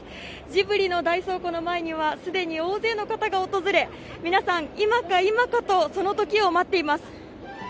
ジブリの大倉庫の前には既に大勢の方が訪れ皆さん、今か今かとその時を待っています。